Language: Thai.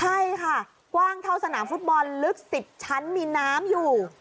ใช่ค่ะกว้างเท่าสนามฟุตบอลลึก๑๐ชั้นมีน้ำอยู่